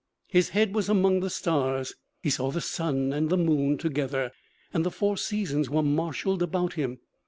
His head was among the stars, he saw the sun and the moon together, and the four seasons were marshaled about him.